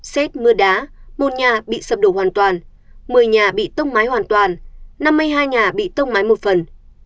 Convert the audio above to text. xét mưa đá một nhà bị sập đổ hoàn toàn một mươi nhà bị tốc mái hoàn toàn năm mươi hai nhà bị tốc mái một phần